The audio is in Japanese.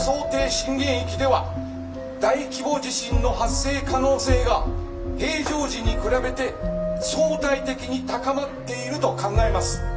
震源域では大規模地震の発生可能性が平常時に比べて相対的に高まっていると考えます。